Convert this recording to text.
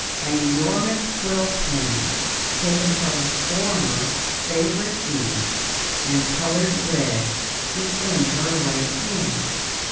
An enormous quill pen, taken from a former favourite goose and coloured red, is in her right hand.